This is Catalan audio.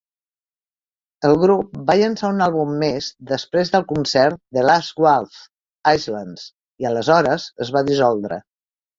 El grup va llançar un àlbum més després del concert The Last Waltz, "Islands", i aleshores es va dissoldre.